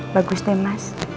bagus deh mas